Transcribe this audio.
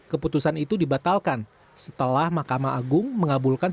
keputusan itu dibatalkan setelah mahkamah agung mengabulkan